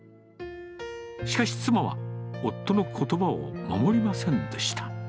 しかし妻は、夫のことばを守りませんでした。